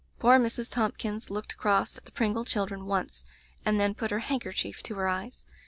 Poor Mrs. Thompkins looked across at the Pringle children once, and then put her handkerchief to her eyes.